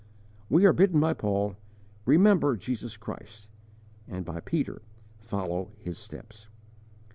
* We are bidden by Paul, "Remember Jesus Christ," and by Peter, _"Follow His steps."